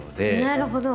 なるほど！